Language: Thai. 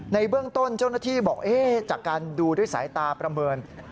ในเบื้องต้นเจ้าหน้าที่บอกจากการดูด้วยสายตาประเมิน